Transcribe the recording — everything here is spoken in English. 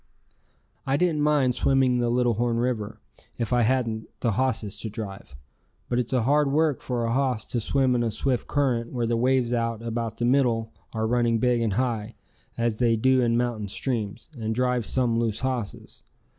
I didn't mind swimming the Little Horn River, if I hadn't the hosses to drive, but it's hard work for a hoss to swim in a swift current where the waves out about the middle are running big and high, as they do in mountain streams, and drive some loose hosses.